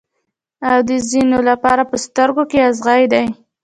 او د ځینو لپاره په سترګو کې اغزی دی.